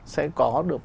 sẽ có được